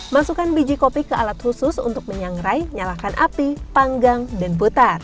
masukkan biji kopi ke alat khusus untuk menyangrai nyalakan api panggang dan putar